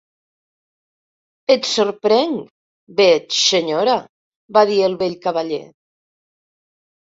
"Et sorprenc, veig, senyora", va dir el vell cavaller.